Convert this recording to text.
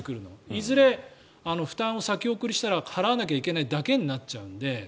いずれ負担を先送りにしたら払わなきゃいけないだけになっちゃうので。